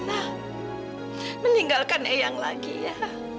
nah meninggalkan eyang lagi ya